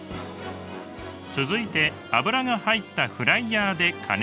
続いて油が入ったフライヤーで加熱。